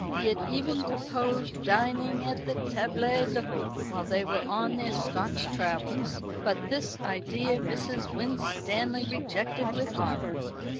He had even proposed dining at the table d'hôte, while they were on their Scotch travels, but this idea Mrs. Winstanley rejected with horror.